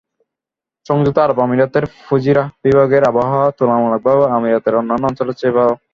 সংযুক্ত আরব আমিরাতের ফুজিরাহ বিভাগের আবহাওয়া তুলনামূলকভাবে আমিরাতের অন্যান্য অঞ্চলের চেয়ে ভালো।